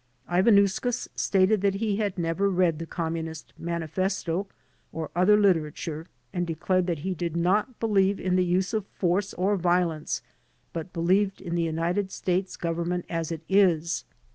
Ivanauskas stated that he had never read the Communist Manifesto or other literature and declared that he did not believe in the use of force or violence, but believed in the United States Government as it is.